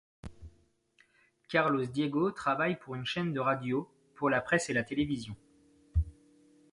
Carlos Diego travaille pour une chaîne de radio, pour la presse et la télévision.